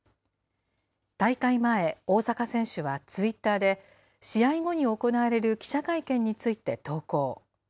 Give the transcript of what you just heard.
大会前、大坂選手はツイッターで、試合後に行われる記者会見について投稿。